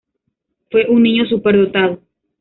Fue un niño superdotado.